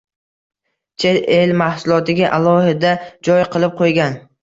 Chet el mahsulotiga alohida joy qilib qo'ygan.